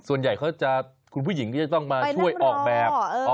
ส่วนใหญ่เขาจะคุณผู้หญิงที่จะต้องมาช่วยออกแบบ